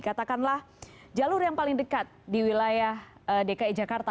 katakanlah jalur yang paling dekat di wilayah dki jakarta